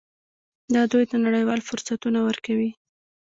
دا دوی ته نړیوال فرصتونه ورکوي.